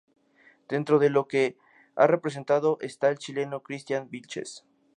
Dentro de los que ha representado está el chileno Christian Vilches.